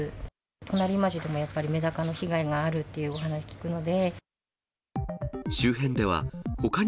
隣町でも、やっぱりめだかの被害があるっていうお話聞くので。